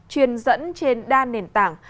truyền dẫn trên đa nền tảng